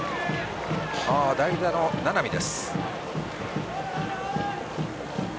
代打の名波です。